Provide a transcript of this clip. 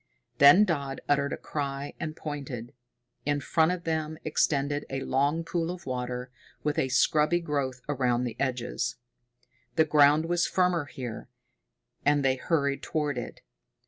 Then Dodd uttered a cry, and pointed. In front of them extended a long pool of water, with a scrubby growth around the edges. The ground was firmer here, and they hurried toward it.